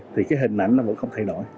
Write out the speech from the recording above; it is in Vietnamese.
thì cái hình ảnh nó vẫn không thay đổi